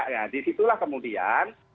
nah disitulah kemudian